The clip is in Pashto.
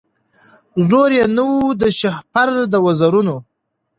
زور یې نه وو د شهپر د وزرونو